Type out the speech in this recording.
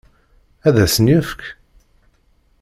Ad as-ten-yefk?